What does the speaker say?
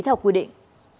theo quy định